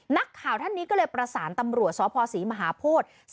นักข่าวท่านนี้ก็เลยประสานตำรวจสพศรีมหาโพธิ